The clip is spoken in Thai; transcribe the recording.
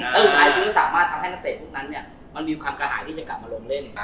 และศรัทธาฯภูมิสามารถทำให้นักเตะพวกนั้นมีความกระหายที่จะกลับมาลงเล่น